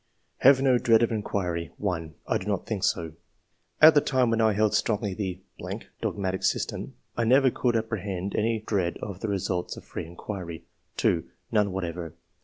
Have no dread of inquiry. — 1. "I do not think so. At the time when I held strongly the ... dogmatic system I never could apprehend any dread of the results of free inquiry." 2. " None whatever.